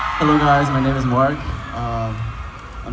สงยังแบด